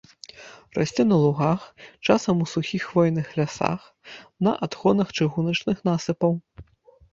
Расце на лугах, часам у сухіх хвойных лясах, на адхонах чыгуначных насыпаў.